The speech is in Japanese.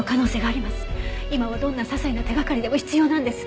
今はどんな些細な手がかりでも必要なんです。